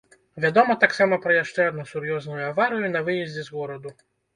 Вядома таксама пра яшчэ адну сур'ёзную аварыю на выездзе з гораду.